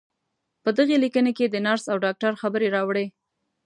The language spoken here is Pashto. په دغې ليکنې کې د نرس او ډاکټر خبرې راوړې.